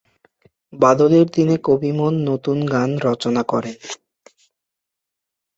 বাদলের দিনে কবিমন নতুন গান রচনা করেন।